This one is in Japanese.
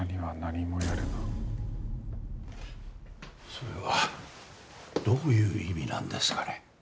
それはどういう意味なんですかね？